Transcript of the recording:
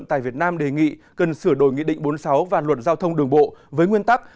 tài việt nam đề nghị cần sửa đổi nghị định bốn mươi sáu và luật giao thông đường bộ với nguyên tắc